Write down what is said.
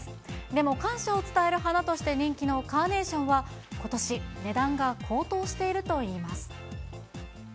でも、感謝を伝える花として人気のカーネーションは、ことし値段が高騰しているといいます。